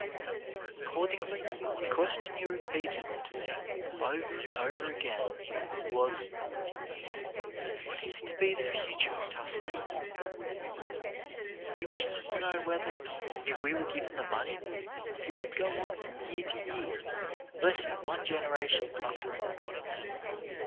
Accordingly the question he repeated to me over and over again was: "What is to be the future of Tuskegee?" He wished to know whether, if we were given the money, it would go on from year to year, blessing one generation after another.